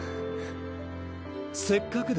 せっかくだ。